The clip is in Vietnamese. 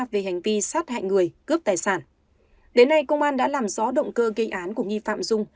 về hành vi sát hại người cướp tài sản đến nay công an đã làm rõ động cơ gây án của nghi phạm dung